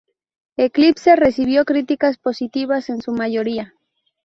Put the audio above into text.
Eclipse recibió críticas positivas en su mayoría.